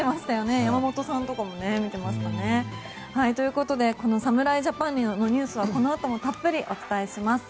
山本さんも見てましたよね。ということで侍ジャパンのニュースはこのあともたっぷりお伝えします。